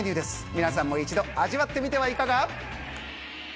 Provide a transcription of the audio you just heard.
皆さんも一度、味わってみてはいかが？